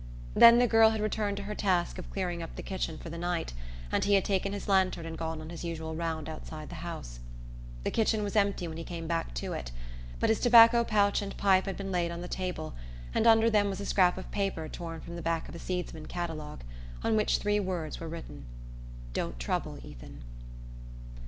Then the girl had returned to her task of clearing up the kitchen for the night and he had taken his lantern and gone on his usual round outside the house. The kitchen was empty when he came back to it; but his tobacco pouch and pipe had been laid on the table, and under them was a scrap of paper torn from the back of a seedsman's catalogue, on which three words were written: "Don't trouble, Ethan."